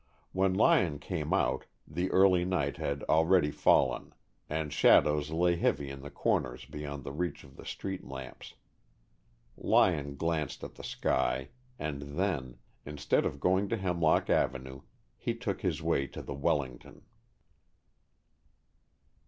When Lyon came out, the early night had already fallen and shadows lay heavy in the corners beyond the reach of the street lamps. Lyon glanced at the sky, and then, instead of going to Hemlock Avenue, he took his way to the Wellington.